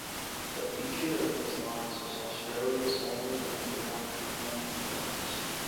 A feature of these lines was Australia's only underground tram terminus.